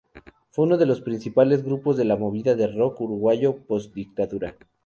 Fue uno de los principales grupos de la movida de rock uruguayo post-dictadura.